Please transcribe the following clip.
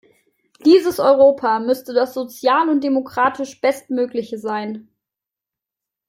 Dieses Europa müsste das sozial und demokratisch Bestmögliche sein.